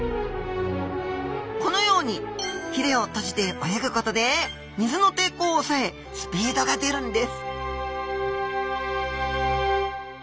このようにひれを閉じて泳ぐことで水の抵抗を抑えスピードが出るんです